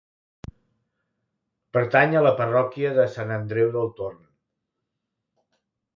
Pertany a la parròquia de Sant Andreu del Torn.